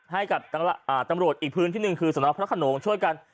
ให้กับตำรวจอีกพื้นที่หนึ่งคือสนพระขนงช่วยกัน